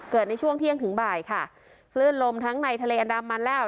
ในช่วงเที่ยงถึงบ่ายค่ะคลื่นลมทั้งในทะเลอันดามันแล้ว